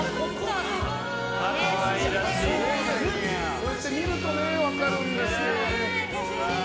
こうやって見ると分かるんですけどね。